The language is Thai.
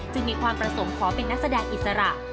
มีความประสงค์ขอเป็นนักแสดงอิสระ